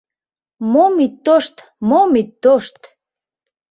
— Мом «ит тошт», мом «ит тошт»?